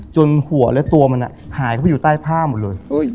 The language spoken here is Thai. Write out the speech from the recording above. หัวและตัวมันหายเข้าไปอยู่ใต้ผ้าหมดเลย